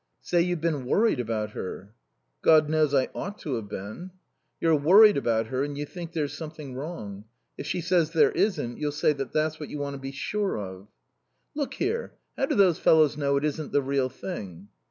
"Say you've been worried about her." "God knows I ought to have been." "You're worried about her, and you think there's something wrong. If she says there isn't, you'll say that's what you want to be sure of." "Look here; how do those fellows know it isn't the real thing?"